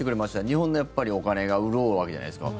日本のやっぱりお金が潤うわけじゃないですか。